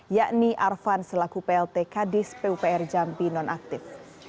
yakni arfan selaku plt kadis pupr jambi nonaktif